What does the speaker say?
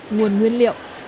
nguồn nguyên liệu